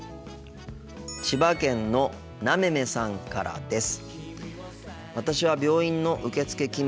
千葉県のなめめさんからです。